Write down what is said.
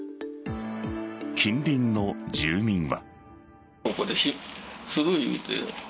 近隣の住民は。